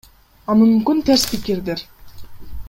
А мүмкүн терс пикирдир?